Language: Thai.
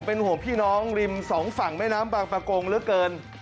เป็นห่วงพี่น้องริมสองฝั่งแม่น้ำบางประกงเหลือเกิน